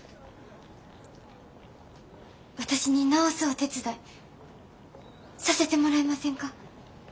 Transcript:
私に直すお手伝いさせてもらえませんか。